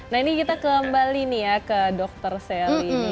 nah ini kita kembali nih ya ke dokter sally